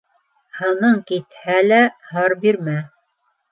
Һының китһә лә, һыр бирмә.